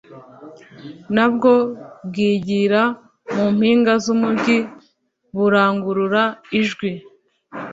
na bwo bwigira mu mpinga z'umugi burangurura ijwi